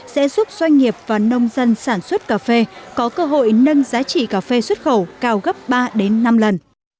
sẽ giúp doanh nghiệp và nông dân sản xuất cà phê có cơ hội nâng giá trị cà phê xuất khẩu cao gấp ba đến năm lần